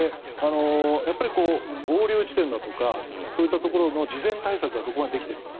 やっぱり合流地点だとかそういったところの事前対策がどこまでできているか。